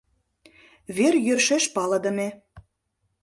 Вер йӧршеш палыдыме.